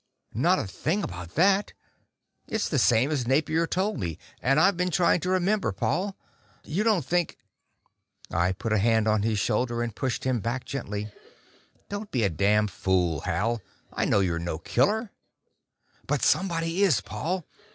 "Not a thing about that. It's the same as Napier told me, and I've been trying to remember. Paul, you don't think ?" I put a hand on his shoulder and pushed him back gently. "Don't be a damned fool, Hal. I know you're no killer." "But somebody is, Paul.